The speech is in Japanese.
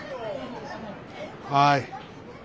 はい。